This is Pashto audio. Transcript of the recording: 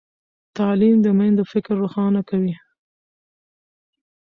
تعلیم د میندو فکر روښانه کوي۔